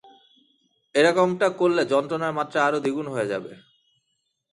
এরকমটা করলে যন্ত্রণার মাত্রা আরো দ্বিগুণ হয়ে যাবে!